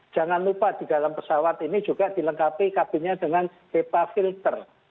jangan lupa di dalam pesawat ini juga dilengkapi kabinnya dengan bepa filter